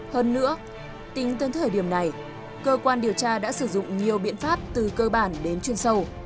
hơn nữa tính tới thời điểm này cơ quan điều tra đã sử dụng nhiều biện pháp từ cơ bản đến chuyên sâu